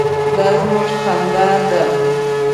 _دا زموږ خندا ده.